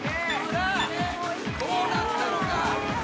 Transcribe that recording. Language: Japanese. さあどうなったのか？